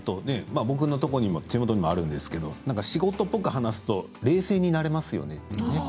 僕のところにも手元にもあるんですが仕事っぽく話すと冷静になれますよね。